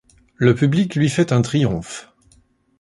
Le public lui fait un triomphe.